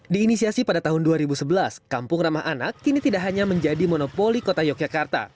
diinisiasi pada tahun dua ribu sebelas kampung ramah anak kini tidak hanya menjadi monopoli kota yogyakarta